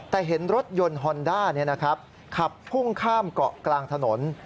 แต่เห็นรถยนต์ฮอนด้าขับพุ่งข้ามเกาะกลางถนน